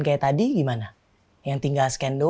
ya udah yang biasa ibu